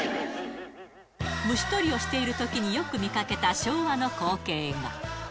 虫とりをしているときによく見かけた、昭和の光景が。